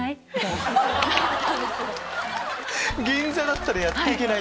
「銀座だったらやっていけない」！